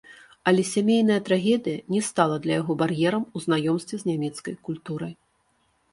Але сямейная трагедыя не стала для яго бар'ерам у знаёмстве з нямецкай культурай.